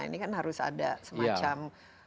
ini kan harus ada semacam